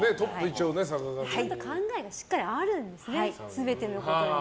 ちゃんと考えがしっかりあるんですね、全てのことに。